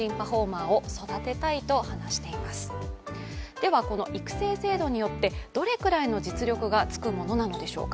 ではこの育成制度によってどれくらいの実力がつくものなのでしょうか。